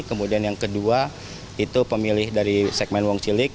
kemudian yang kedua itu pemilih dari segmen wong cilik